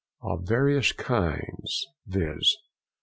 —Of various kinds, viz.